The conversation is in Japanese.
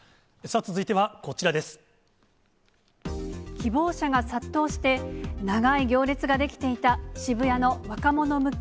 希望者が殺到して、長い行列が出来ていた渋谷の若者向け